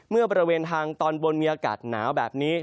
บริเวณทางตอนบนมีอากาศหนาวแบบนี้